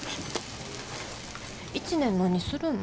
１年何するん？